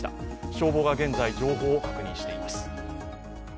消防が現在、情報を確認しています。